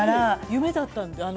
夢だったので。